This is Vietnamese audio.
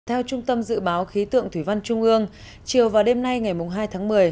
theo trung tâm dự báo khí tượng thủy văn trung ương chiều vào đêm nay ngày hai tháng một mươi